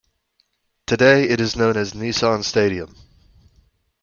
Today, it is known as Nissan Stadium.